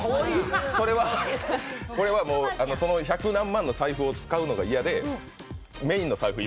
これは、百何万の財布を使うのが嫌で、メインの財布、